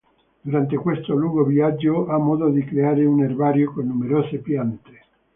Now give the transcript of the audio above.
Durante questo lungo viaggio ha modo di creare un erbario con numerose piante.